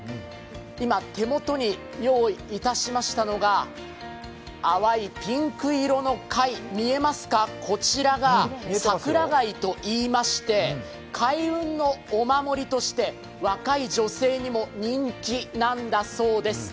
今、手元に用意いたしましたのが淡いピンク色の貝、見えますか、こちらが、さくら貝といいまして、開運のお守りとして若い女性にも人気なんだそうです。